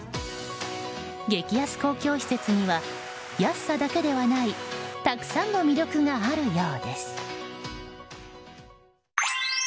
激安公共施設には安さだけではないたくさんの魅力があるようです。